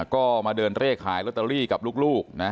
ก็มาเดินเลขขายลอตเตอรี่กับลูกนะ